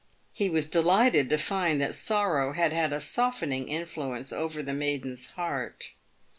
He was delighted to find that sorrow had had a softening influence over the maiden's heart.